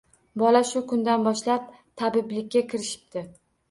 Bola shu kundan boshlab tabiblikka kirishibdi